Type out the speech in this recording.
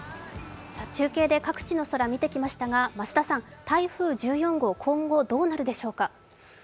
中継で各地の空を見てきましたが増田さん、台風１４号、今後どうなるでしょうか？